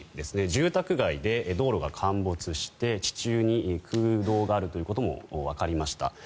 住宅街で道路が陥没して地中に空洞があるということもわかりました。